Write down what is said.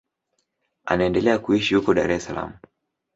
Anaendelea kuishi huko Dar es Salaam.